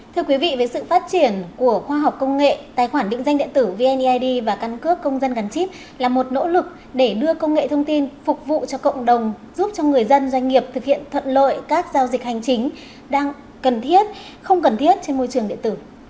thưa quý vị với sự phát triển của khoa học công nghệ tài khoản định danh điện tử vneid và căn cước công dân gắn chip là một nỗ lực để đưa công nghệ thông tin phục vụ cho cộng đồng giúp cho người dân doanh nghiệp thực hiện thuận lợi các giao dịch hành chính đang cần thiết không cần thiết trên môi trường điện tử